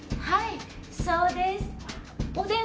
はい！